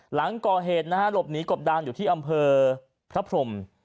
หลังก่อเหตุนะฮะหลบหนีกบดานอยู่ที่อำเภอพระพรม